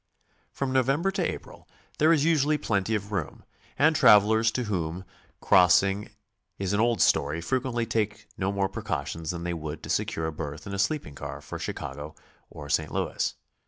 From November to April there is usually plenty of room, and travelers to whom crossing is an old story fre quently take no more precautions than they would to secure a berth in a sleeping car for Chicago or St. Louis.